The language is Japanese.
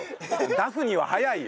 出すには早いよ。